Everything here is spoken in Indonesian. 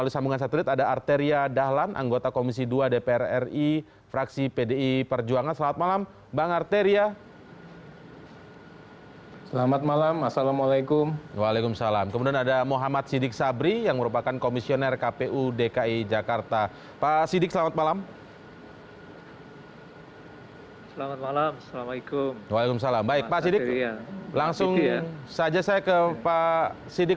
langsung saja saya ke pak siddiq